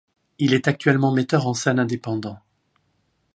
Il est actuellement metteur en scène indépendant.